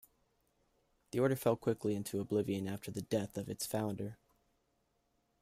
The order fell quickly into oblivion after the death of its founder.